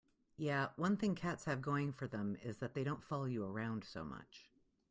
Yeah, one thing cats have going for them is that they don't follow you around so much.